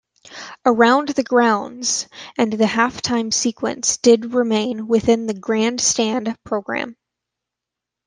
"Around the Grounds" and the half time sequence did remain within the "Grandstand" programme.